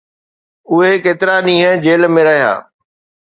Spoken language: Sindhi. اهي ڪيترا ڏينهن جيل ۾ رهيا